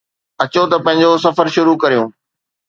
اچو ته پنهنجو سفر شروع ڪريون